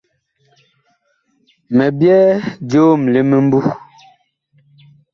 Mi byɛɛ joom li mimbu.